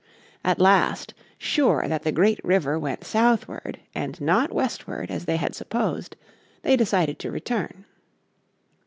At last, sure that the great river went southward and not westward as they had supposed, they decided to return.